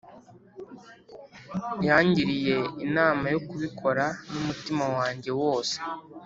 yangiriye inama yo kubikora numutima wanjye wose